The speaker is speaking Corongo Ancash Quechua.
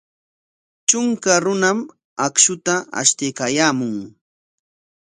Trunka runam akshuta ashtaykaayaamun.